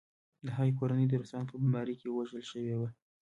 د هغې کورنۍ د روسانو په بمبارۍ کې وژل شوې وه